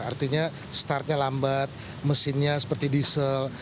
artinya startnya lambat mesinnya seperti diesel